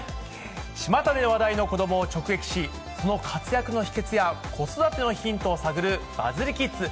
ちまたで話題の子どもを直撃し、その活躍の秘けつや子育てのヒントを探るバズリキッズ。